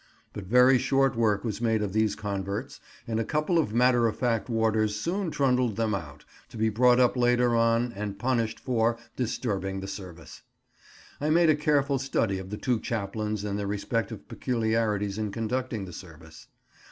But very short work was made of these converts, and a couple of matter of fact warders soon trundled them out, to be brought up later on and punished for disturbing the service. I made a careful study of the two chaplains and their respective peculiarities in conducting the service.